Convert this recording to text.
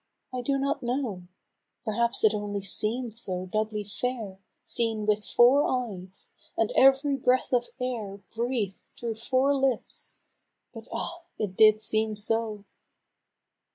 I do not know ; Perhaps it only seem'd so doubly fair Seen with four eyes, and ev'ry breath of air Breathed through four Hps, but ah! it did seem so